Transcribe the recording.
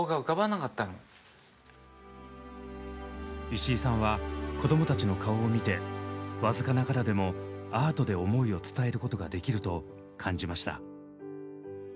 石井さんは子供たちの顔を見て僅かながらでもアートで思いを伝えることができると感じました。